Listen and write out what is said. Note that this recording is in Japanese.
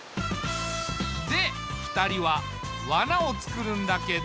で２人はわなをつくるんだけど。